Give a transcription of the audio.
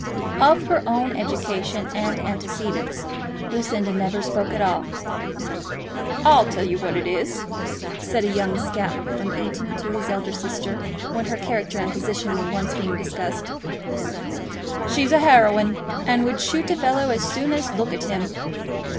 Of her own education and antecedents, Lucinda never spoke at all. "I'll tell you what it is," said a young scamp from Eton to his elder sister, when her character and position were once being discussed. "She's a heroine, and would shoot a fellow as soon as look at him."